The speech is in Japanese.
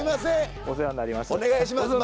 お世話になります